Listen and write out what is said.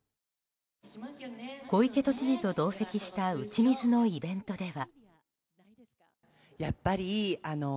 小池都知事と同席した打ち水のイベントでは。